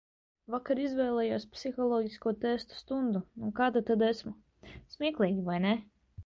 Vakar izvēlējos psiholoģisko testu stundu, nu kāda tad esmu. Smieklīgi, vai ne?